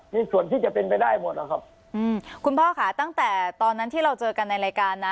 มีส่วนที่จะเป็นไปได้หมดแล้วครับอืมคุณพ่อค่ะตั้งแต่ตอนนั้นที่เราเจอกันในรายการนะ